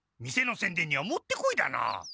店のせんでんにはもってこいだなあ。